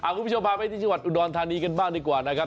คุณผู้ชมพาไปที่จังหวัดอุดรธานีกันบ้างดีกว่านะครับ